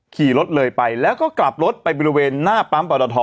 ขี่รถเลยไปแล้วก็กลับรถไปบริเวณหน้าปั๊มปรตท